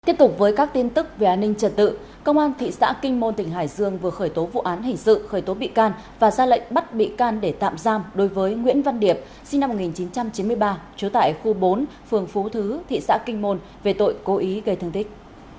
tiếp tục với các tin tức về an ninh trật tự công an thị xã kinh môn tỉnh hải dương vừa khởi tố vụ án hình sự khởi tố bị can và ra lệnh bắt bị can để tạm giam đối với nguyễn văn điệp sinh năm một nghìn chín trăm chín mươi ba trú tại khu bốn phường phú thứ thị xã kinh môn về tội cố ý gây thương tích